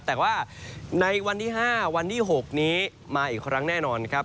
แต่ว่าในวันที่๕วันที่๖นี้มาอีกครั้งแน่นอนครับ